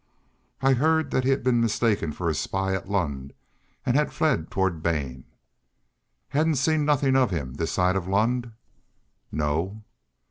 "I heard that he had been mistaken for a spy at Lund and had fled toward Bane." "Hadn't seen nothin' of him this side of Lund?" "No."